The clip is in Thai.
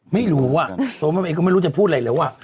ไม่รู้อ่ะร้องพี่ก็ไม่รู้จะพูดอะไรหรอกอ่ะ